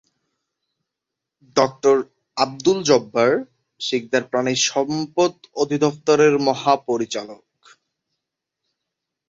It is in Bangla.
ডঃ আব্দুল জব্বার সিকদার প্রাণিসম্পদ অধিদফতরের মহাপরিচালক।